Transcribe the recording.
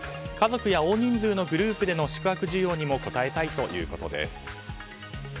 家族や大人数のグループでの宿泊需要にも応えたいということです。